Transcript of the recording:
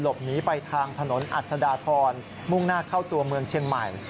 หนีไปทางถนนอัศดาทรมุ่งหน้าเข้าตัวเมืองเชียงใหม่